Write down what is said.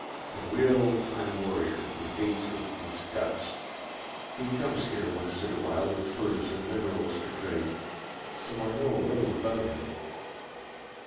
A real old time warrior who hates Earthmen's guts. He comes here once in a while with furs and minerals to trade, so I know a little about him."